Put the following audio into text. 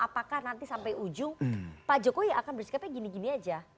apakah nanti sampai ujung pak jokowi akan bersikapnya gini gini aja